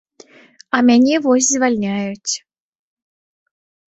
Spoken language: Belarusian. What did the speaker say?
А мяне вось звальняюць.